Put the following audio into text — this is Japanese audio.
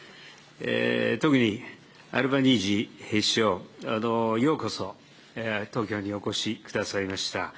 特に、アルバニージー首相、ようこそ東京にお越しくださいました。